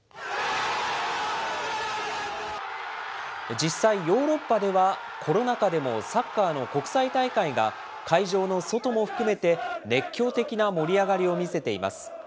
実際、ヨーロッパではコロナ禍でもサッカーの国際大会が、会場の外も含めて熱狂的な盛り上がりを見せています。